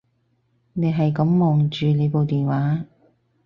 你係噉望住你部電話